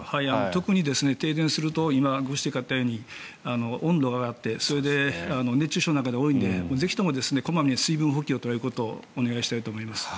特に停電すると今ご指摘があったように温度が上がってそれで熱中症になる方が多いのでぜひとも小まめに水分補給ということをお願いしたいと思います。